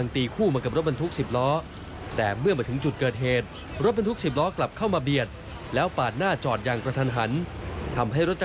อ๋อทีคู่เบียดมา